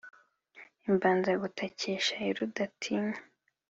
Imbanza gutakisha ya Rudatinya.